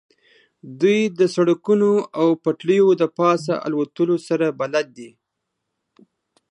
دوی د سړکونو او پټلیو د پاسه الوتلو سره بلد دي